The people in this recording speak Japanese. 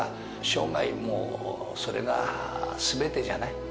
生涯もう、それがすべてじゃない。